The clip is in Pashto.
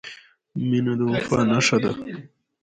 • مینه د وفا نښه ده.